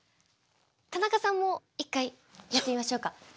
田中さんも一回やってみましょうか。